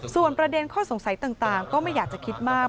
ส่วนประเด็นข้อสงสัยต่างก็ไม่อยากจะคิดมาก